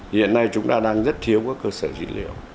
hiện nay chúng ta đang rất thiếu các cơ sở dữ liệu